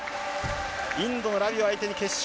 インドのラビを相手に決勝。